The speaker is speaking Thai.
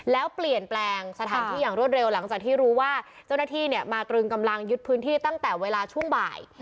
แล้วเปลี่ยนแปลงสถานที่อย่างรวดเร็วหลังจากที่รู้ว่าเจ้าหน้าที่มาตรึงกำลังยึดพื้นที่ตั้งแต่เวลาช่วงบ่าย